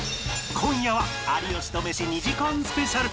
今夜は有吉とメシ２時間スペシャル